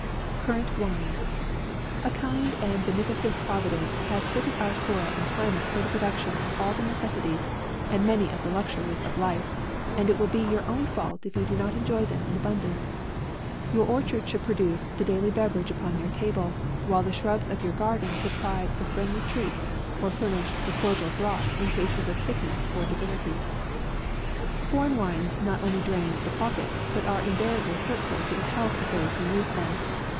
CURRANT WINE. A kind and beneficent providence has fit ted our soil and climate for the production of all the necessaries, and many of the luxuries of life, and it will be your own fault if von P 170 AUGUST. do not enjoy them in abundance. Your or chard should produce the daily beverage up on your table, while the shrubs of your gar den supply the friendly treat, or furnish the cordial draught in cases of sickness or debil Foreign wines not only drain the pocket, but are invariably hurtful to the health of those who use them.